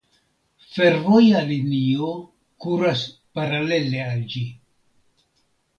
Fervoja linio kuras paralela al ĝi.